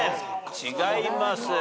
違います。